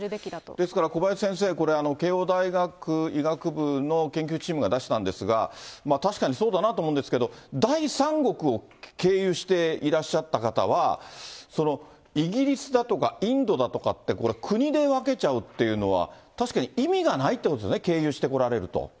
ですから小林先生、慶應大学医学部の研究チームが出したんですが、確かにそうだなと思うんですけど、第三国を経由していらっしゃった方は、イギリスだとかインドだとかって、これ、国で分けちゃうっていうのは、確かに意味がないってことですよね、経由して来られると。